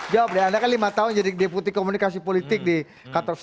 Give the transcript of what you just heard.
jawab deh anda kan lima tahun jadi deputi komunikasi politik di qatar satu